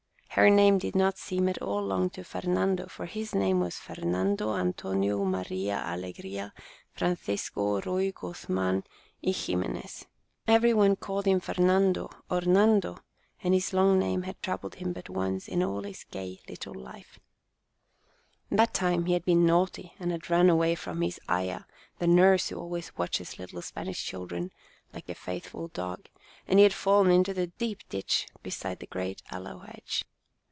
Her name did not seem at all long to Fernando, for his name was Fer nando Antonio Maria Allegria Francisco Ruy Guzman y Ximenez. Every one called him Fernando or Nando, and his long name had troubled him but once in all his gay little life, 4 Our Little Spanish Cousin That time he had been naughty and had run away from his aya, the nurse who always watches little Spanish children like a faithful dog, and he had fallen into the deep ditch beside the great aloe hedge.